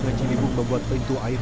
ke ciliwung membuat pintu air